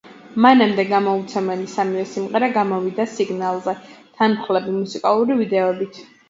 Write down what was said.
მანამდე გამოუცემელი სამივე სიმღერა გამოვიდა სინგლზე, თანმხლები მუსიკალური ვიდეოებით.